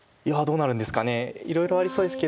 いろいろありそうですけど。